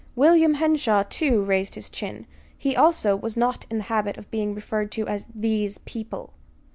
William Henshaw, too, raised his chin. He, also, was not in the habit of being referred to as "these people."